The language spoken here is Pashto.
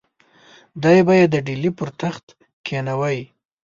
دی به یې د ډهلي پر تخت کښېنوي.